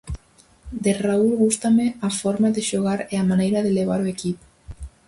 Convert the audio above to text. De Raúl gústame a forma de xogar e a maneira de levar o equipo.